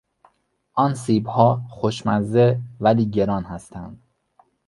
آن سیبها خوشمزه ولی گران هستند.